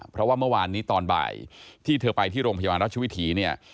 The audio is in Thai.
เพราะว่าเมื่อวานนี้ตอนบ่ายที่เธอไปที่โรงพยาบาลรัชวิถีเนี่ย